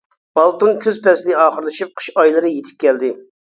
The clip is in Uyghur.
ئالتۇن كۈز پەسلى ئاخىرلىشىپ قىش ئايلىرى يىتىپ كەلدى.